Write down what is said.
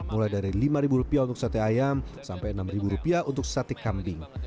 mulai dari lima rupiah untuk sate ayam sampai enam rupiah untuk sate kambing